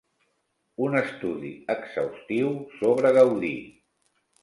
Un estudi exhaustiu sobre Gaudí.